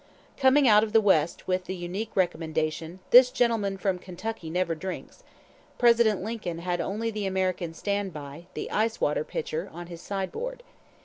Coming out of the West with the unique recommendation, "This gentleman from Kentucky never drinks," President Lincoln had only the American standby, the ice water pitcher, on his sideboard.